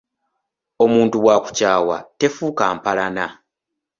Omuntu bw'akukyawa tefuuka mpalana.